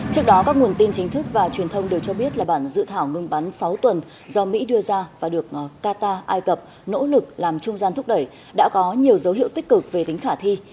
trước đó các nguồn tin chính thức và truyền thông đều cho biết là bản dự thảo ngừng bắn sáu tuần do mỹ đưa ra và được qatar ai cập nỗ lực làm trung gian thúc đẩy đã có nhiều dấu hiệu tích cực về tính khả thi